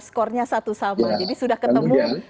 skornya satu sama jadi sudah ketemu